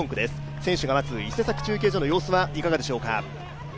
選手が待つ伊勢崎中継所の様子はいかがでしょうか？